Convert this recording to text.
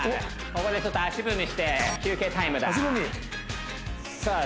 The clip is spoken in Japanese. ここでちょっと足踏みして休憩タイムだ足踏みさあ